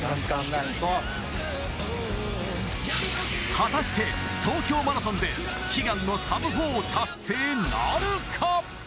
果たして東京マラソンで悲願のサブ４を達成なるか。